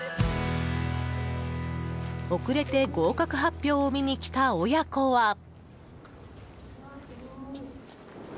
遅れて合格発表を見に来た親子は。